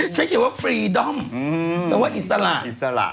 เช่นเกี่ยวว่าฟรีดอมคือว่าอิสระอิสระ